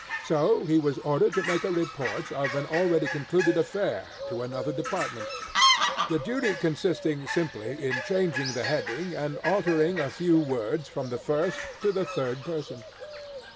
So he was ordered to make a report of an already concluded affair, to another department; the duty consisting simply in changing the heading and altering a few words from the first to the third person.